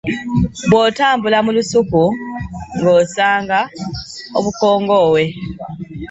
Bw'otambula mu lusuku ng'osanga obukongowe